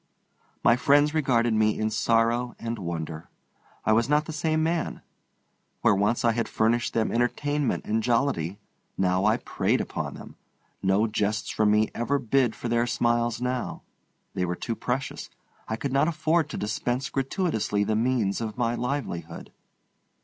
My friends regarded me in sorrow and wonder. I was not the same man. Where once I had furnished them entertainment and jollity, I now preyed upon them. No jests from me ever bid for their smiles now. They were too precious. I could not afford to dispense gratuitously the means of my livelihood.